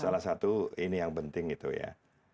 salah satu ini yang penting itu ya